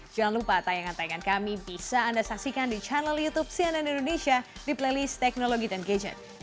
jangan lupa tayangan tayangan kami bisa anda saksikan di channel youtube cnn indonesia di playlist teknologi dan gadget